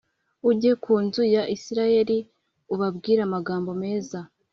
ujye ku inzu ya Isirayeli ubabwire amagambo meza.